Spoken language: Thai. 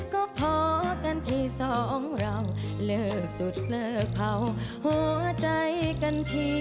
ก็พอกันที่สองเราเลิกจุดเลิกเผาหัวใจกันที